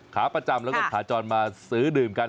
ขาประจำแล้วก็ขาจรมาซื้อดื่มกัน